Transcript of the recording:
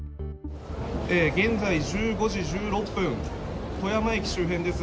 現在、１５時１６分富山駅周辺です。